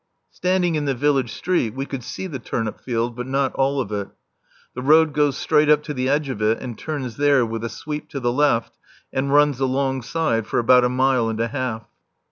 Standing in the village street, we could see the turnip field, but not all of it. The road goes straight up to the edge of it and turns there with a sweep to the left and runs alongside for about a mile and a half.